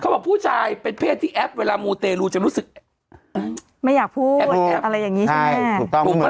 ไม่อยากพูดอะไรอย่างนี้ใช่ไหม